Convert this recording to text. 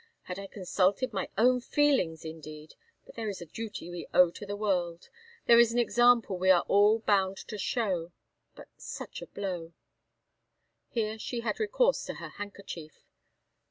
Had I consulted my own feelings, indeed! but there is a duty we owe to the world there is an example we are all bound to show but such a blow!" Here she had recourse to her handkerchief.